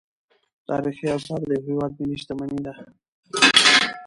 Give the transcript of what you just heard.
تاریخي اثار د یو هیواد ملي شتمني ده.